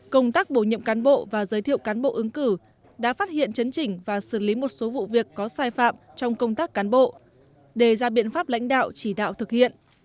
công tác bổ nhiệm cán bộ và giới thiệu cán bộ ứng cử đã phát hiện chấn chỉnh và xử lý một số vụ việc có sai phạm trong công tác cán bộ đề ra biện pháp lãnh đạo chỉ đạo thực hiện